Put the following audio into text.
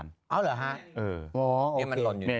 มันต่อเหยิดนะครับ